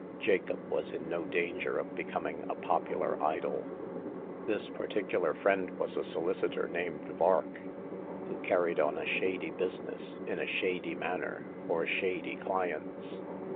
Jacob was in no danger of becoming a popular idol. This particular friend was a solicitor named Vark, who carried on a shady business, in a shady manner, for shady clients.